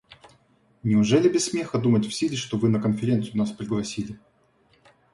Неужели без смеха думать в силе, что вы на конференцию нас пригласили?